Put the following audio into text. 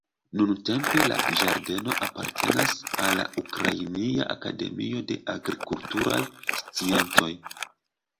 Nuntempe la ĝardeno apartenas al la Ukrainia Akademio de Agrikulturaj Sciencoj.